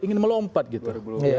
ingin melompat gitu